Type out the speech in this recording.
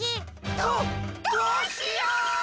どどうしよう！